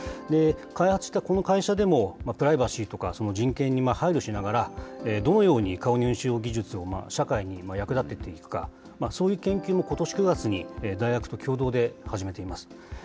開発したこの会社でも、プライバシーとか、人権に配慮しながら、どのように顔認証技術を社会に役立てていくか、そういう研究もことし９月に、大学と共同で始めています。